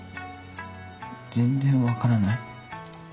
「全然分からない」？